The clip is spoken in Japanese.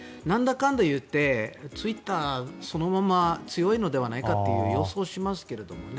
かんだ言ってツイッターそのまま強いのではないかと予想しますけどね。